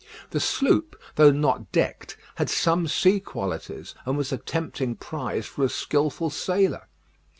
The sloop, though not decked, had some sea qualities, and was a tempting prize for a skilful sailor.